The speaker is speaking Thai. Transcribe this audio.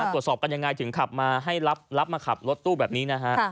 ตรวจสอบกันยังไงถึงขับมาให้รับมาขับรถตู้แบบนี้นะฮะ